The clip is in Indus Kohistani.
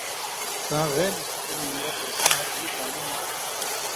کاں غېر مُستقل مېمبرہ تھو سَیں ہر دُو کالؤں نہ